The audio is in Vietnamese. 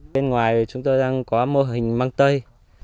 bên ngoài chúng tôi đang có mô hình mang tây